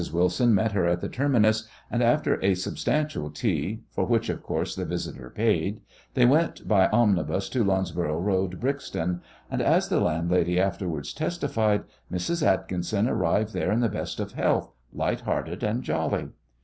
Wilson met her at the terminus, and after a substantial tea for which, of course, the visitor paid they went by omnibus to Loughborough Road, Brixton, and, as the landlady afterwards testified, Mrs. Atkinson arrived there in the best of health, light hearted and jolly.